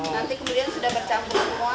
nanti kemudian sudah bercampur semua